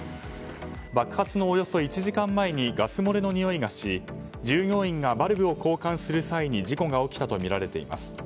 爆発のおよそ１時間前にガス漏れのにおいがし従業員がバルブを交換する際に事故が起きたとみられています。